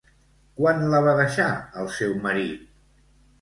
Quan la va deixar el seu marit?